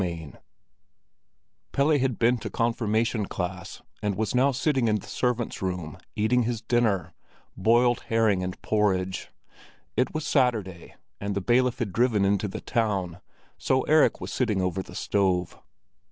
XXI Pelle had been to confirmation class, and was now sitting in the servants' room eating his dinner—boiled herring and porridge. It was Saturday, and the bailiff had driven into the town, so Erik was sitting over the stove.